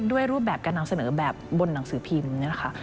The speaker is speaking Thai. ด้วยรูปแบบการนำเสนอแบบบนหนังสือพิมพ์